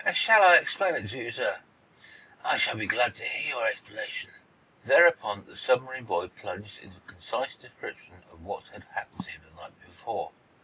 "Shall I explain it to you, sir?" "I shall be glad to hear your explanation." Thereupon, the submarine boy plunged into a concise description of what had happened to him the night before.